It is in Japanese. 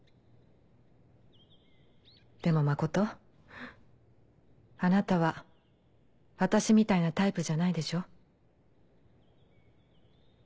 でも真琴あなたは私みたいなタイプじゃないでしょ？